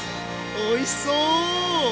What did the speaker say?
おいしそう！